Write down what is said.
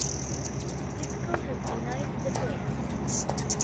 Cisco has denied the claims.